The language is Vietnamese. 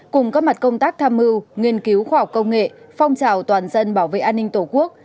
cùng các mặt công tác tham mưu nghiên cứu khoa học công nghệ phong trào toàn dân bảo vệ an ninh tổ quốc